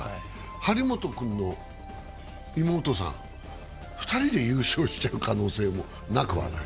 張本君の妹さん、２人で優勝しちゃう可能性もなくはない。